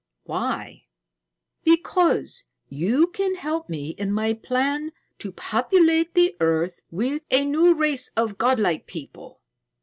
"Why?" "Because you can help me in my plan to populate the earth with a new race of godlike people.